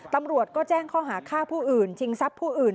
ตำรวจก็แจ้งข้อหาฆ่าผู้อื่นชิงทรัพย์ผู้อื่น